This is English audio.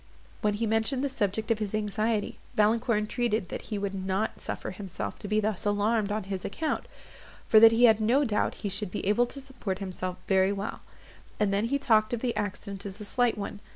When he mentioned the subject of his anxiety, Valancourt entreated that he would not suffer himself to be thus alarmed on his account, for that he had no doubt he should be able to support himself very well; and then he talked of the accident as a slight one.